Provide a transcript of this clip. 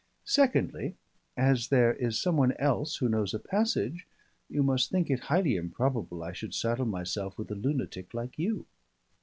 Secondly, as there is some one else who knows a passage, you must think it highly improbable I should saddle myself with a lunatic like you.